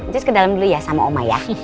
terus ke dalam dulu ya sama saya ya